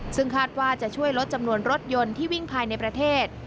ซึ่งคาดว่าจะช่วยลดจำนวนรถยนต์ที่วิ่งภายในประเทศ